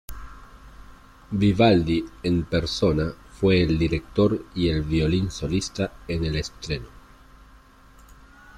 Vivaldi en persona fue el director y el violín solista en el estreno.